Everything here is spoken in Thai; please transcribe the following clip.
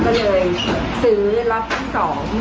ก็เลยซื้อล็อตที่๒จากอำเภอชะวันคุณค่ะ